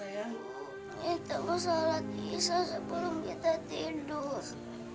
ibu kita mau sholat is'ah sebelum kita tidur